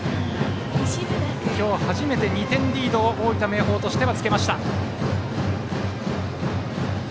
今日初めて２点リードを大分・明豊としてはつけました。